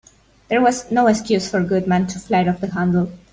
There was no excuse for Goodman to fly off the handle.